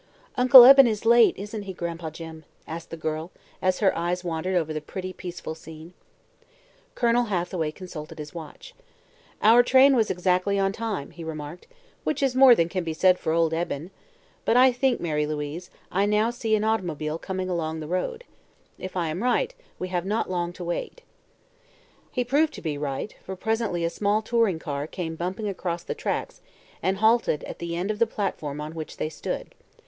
"Uncle Eben is late, isn't he, Gran'pa Jim?" asked the girl, as her eyes wandered over the pretty, peaceful scene. Colonel Hathaway consulted his watch. "Our train was exactly on time," he remarked, "which is more than can be said for old Eben. But I think, Mary Louise, I now see an automobile coming along the road. If I am right, we have not long to wait." He proved to be right, for presently a small touring car came bumping across the tracks and halted at the end of the platform on which they stood.